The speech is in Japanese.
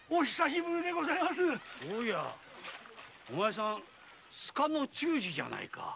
お前さん須賀の忠次じゃないか。